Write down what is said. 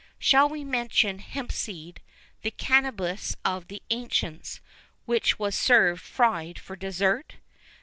Shall we mention Hempseed, the Cannabis of the ancients, which was served fried for dessert?